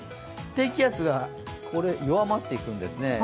低気圧が弱まっていくんですね。